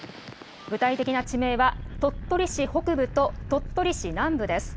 具体的な地名は鳥取市北部と鳥取市南部です。